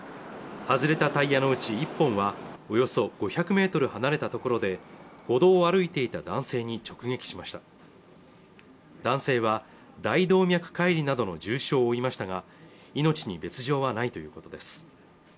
外れたタイヤのうち１本はおよそ５００ｍ離れたところで歩道を歩いていた男性に直撃しました男性は大動脈解離などの重傷を負いましたが命に別状はないということです